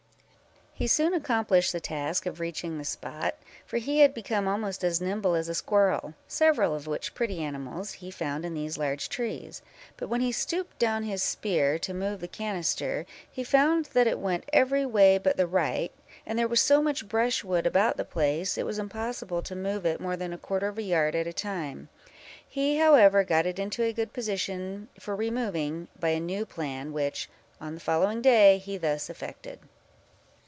He soon accomplished the task of reaching the spot, for he had become almost as nimble as a squirrel, (several of which pretty animals he found in these large trees;) but when he stooped down his spear, to move the canister, he found that it went every way but the right, and there was so much brushwood about the place, it was impossible to move it more than a quarter of a yard at a time; he, however, got it into a good position for removing, by a new plan, which, on the following day, he thus effected.